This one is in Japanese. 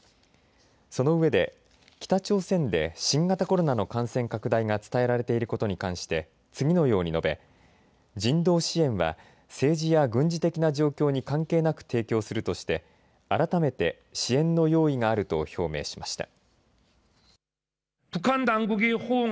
そのうえで北朝鮮で新型コロナの感染拡大が伝えられていることに関して次のように述べ人道支援は政治や軍事的な状況に関係なく提供するとして改めて支援の用意があると表明しました。